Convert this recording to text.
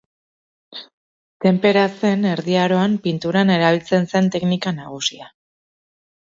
Tenpera zen Erdi Aroan pinturan erabiltzen zen teknika nagusia.